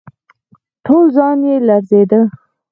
ټول ځان يې لړزېده.